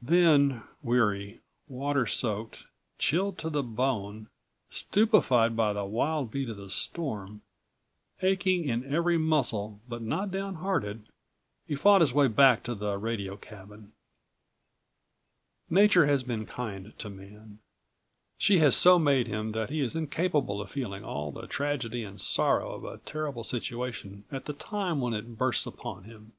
Then, weary, water soaked, chilled to the bone, stupefied by the wild beat of the storm, aching in every muscle but not downhearted, he fought his way back to the radio cabin. Nature has been kind to man. She has so made him that he is incapable of feeling all the tragedy and sorrow of a terrible situation at the time when it bursts upon him.